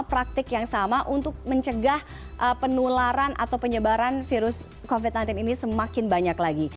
praktik yang sama untuk mencegah penularan atau penyebaran virus covid sembilan belas ini semakin banyak lagi